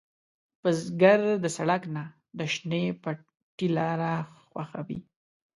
بزګر د سړک نه، د شنې پټي لاره خوښوي